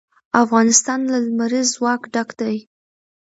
افغانستان له لمریز ځواک ډک دی.